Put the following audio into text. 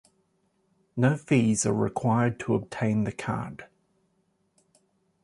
No fees are required to obtain the card.